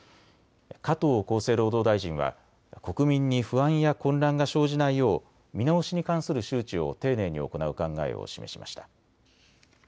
加藤厚生労働大臣は国民に不安や混乱が生じないよう見直しに関する周知を丁寧に行う考えを示しました。